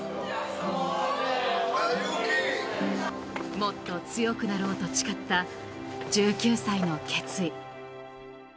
もっと強くなろうと誓った１９歳の決意。